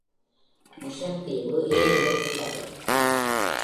முஷன் தீவு ஏரியில் உள்ளது.